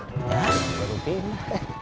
hah baru pindah